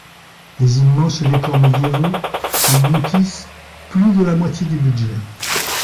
Les immenses décors médiévaux engloutissent plus de la moitié du budget.